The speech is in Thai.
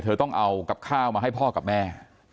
ต้องเอากับข้าวมาให้พ่อกับแม่